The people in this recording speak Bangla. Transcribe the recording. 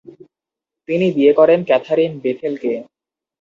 তিনি বিয়ে করেন ক্যাথারিন বেথেলকে।